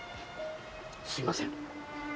すいません。